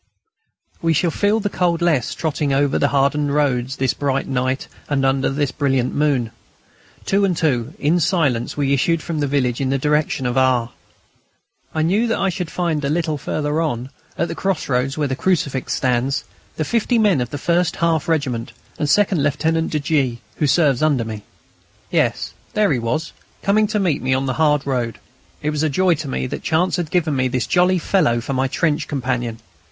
We shall feel the cold less trotting over the hardened roads this bright night and under this brilliant moon. Two and two, in silence, we issued from the village in the direction of R. I knew that I should find a little further on, at the cross roads where the crucifix stands, the fifty men of the first half regiment and Second Lieutenant de G., who serves under me. Yes, there he was, coming to meet me on the hard road. It was a joy to me that chance had given me this jolly fellow for my trench companion.